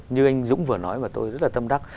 như anh dũng vừa nói và tôi rất là tâm đắc